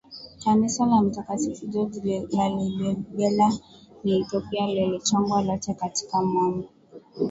Kanisa la mtakatifu George Lalibela na Ethiopia lilichongwa lote katika mwamba